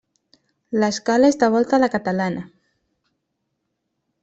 L'escala és de volta a la catalana.